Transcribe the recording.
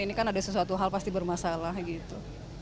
ini kan ada sesuatu hal pasti bermasalah gitu